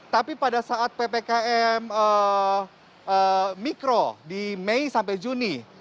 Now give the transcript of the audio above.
tapi pada saat ppkm mikro di mei sampai juni